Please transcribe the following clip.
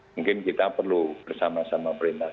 mungkin kita perlu bersama sama perintah